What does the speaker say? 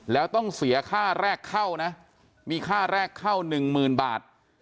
แล้วต้องเสียค่าแรกเข้านะมีค่าแรกเข้า๑๐๐๐บาท